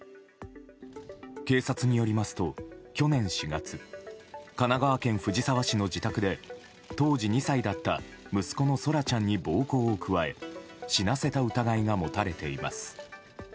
警察によりますと、去年４月神奈川県藤沢市の自宅で当時２歳だった息子の空来ちゃんに暴行を加え死なせた疑いが持たれています。